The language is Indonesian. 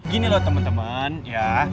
gini loh temen temen ya